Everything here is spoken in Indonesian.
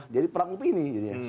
jadi perang opini